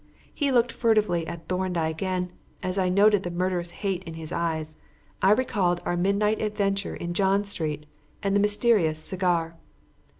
He looked furtively at Thorndyke and, as I noted the murderous hate in his eyes, I recalled our midnight adventure in John Street and the mysterious cigar.